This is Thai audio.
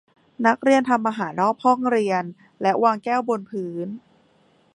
นักเรียนทำอาหารรอบห้องเรียนและวางแก้วบนพื้น